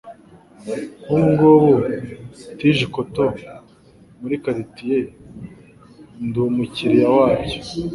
Nk'ubu ngubu tige-cotton muri karitiye, ndi umukiliya wabyo